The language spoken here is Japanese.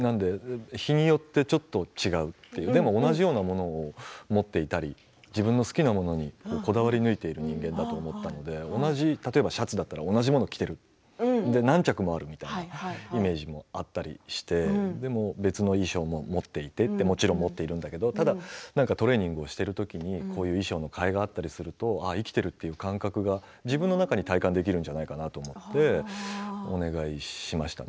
日によってちょっと違うでも同じようなものを持っていたり自分の好きなものにこだわり抜いている人間だと思ったのでシャツだったら同じものを着ている何着もあるというイメージだったりしてでも別の衣装も持っていてもちろん持っているんだけれどトレーニングしているときにこういう衣装の替えがあったりすると生きているという感覚は自分の中で体感できるんじゃないかなと思ってお願いしましたね。